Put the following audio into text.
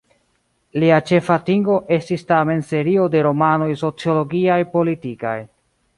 Lia ĉefa atingo estis tamen serio de romanoj sociologiaj-politikaj.